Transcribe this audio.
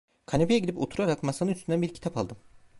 Kanepeye gidip oturarak masanın üstünden bir kitap aldım.